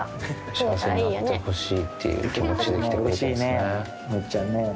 幸せになってほしいっていう気持ちで来てくれてますね。